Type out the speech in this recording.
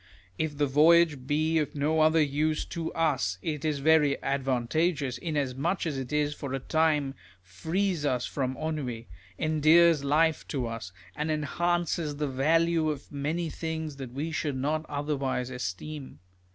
If the voyage be of no other use to us, it is very advantageous, inasmuch as it for a time frees us from ennui, endears life to us, and enhances the value of many things that we should not otherwise esteem.